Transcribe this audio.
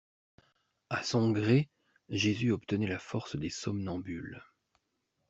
A son gré, Jésus obtenait la force des somnambules.